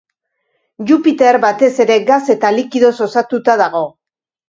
Jupiter batez ere gas eta likidoz osatuta dago.